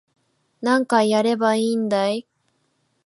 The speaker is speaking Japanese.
何回やればいいんだい